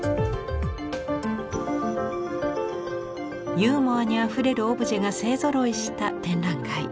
ユーモアにあふれるオブジェが勢ぞろいした展覧会。